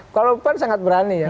kalau pak wawjang sangat berani ya